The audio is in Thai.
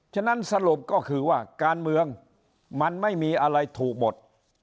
ฉะนั้นสรุปก็คือว่าการเมืองมันไม่มีอะไรถูกหมด